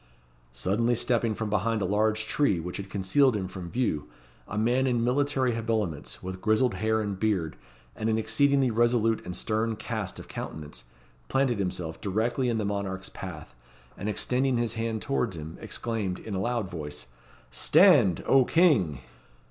Suddenly stepping from behind a large tree which had concealed him from view, a man in military habiliments, with grizzled hair and beard, and an exceedingly resolute and stern cast of countenance, planted himself directly in the monarch's path, and extending his hand towards him, exclaimed, in a loud voice, "Stand! O King!"